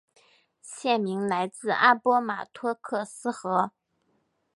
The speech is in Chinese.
县名来自阿波马托克斯河。